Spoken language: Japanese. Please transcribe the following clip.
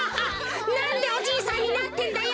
なんでおじいさんになってんだよ！